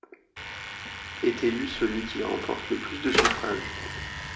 Est élu celui qui remporte le plus de suffrages.